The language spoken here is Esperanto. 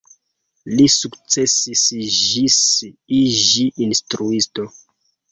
Li sukcesis ĝis iĝi instruisto.